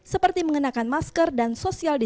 seperti mengenakan masker dan sosialisasi